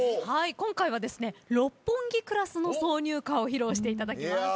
今回は『六本木クラス』の挿入歌を披露していただきます。